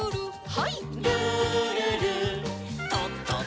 はい。